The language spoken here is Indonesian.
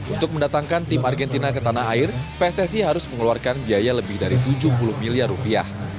untuk mendatangkan tim argentina ke tanah air pssi harus mengeluarkan biaya lebih dari tujuh puluh miliar rupiah